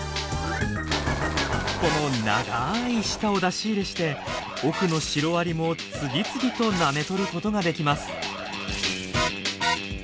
この長い舌を出し入れして奥のシロアリも次々となめとることができます。